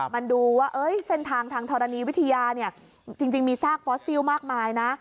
มันดูว่าเส้นทางทางธรณีวิทยาจริงมีซากฟอสซิลมากมายนะ